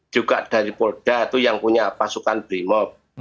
juga dari polda itu yang punya pasukan brimop